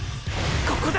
ここだ！